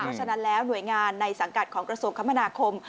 เพราะฉะนั้นแล้วหน่วยงานในสังกัดของกระทรวงคมนาคม